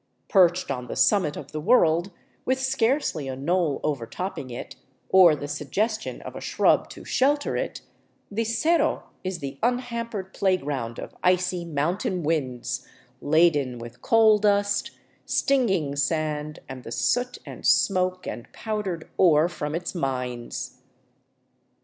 Perched on the summit of the world, with scarcely a knoll overtopping it, or the suggestion of a shrub to shelter it, " the Cerro " is the unhampered playground of icy mountain winds laden with coal dust, stinging sand, and the soot and smoke and powdered ore from its mines.